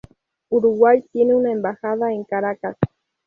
Uruguay tiene una embajada en Caracas.